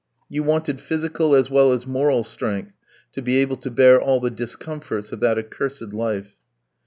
You wanted physical as well as moral strength to be able to bear all the discomforts of that accursed life.